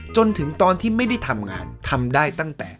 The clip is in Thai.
จนถึงตอนที่ไม่ได้ทำงานทำได้ตั้งแต่